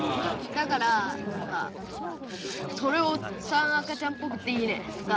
だから何か「それおっさん赤ちゃんっぽくていいね」とか。